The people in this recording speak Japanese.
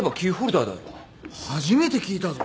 初めて聞いたぞ。